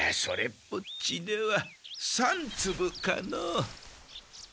っぽっちでは３つぶかの。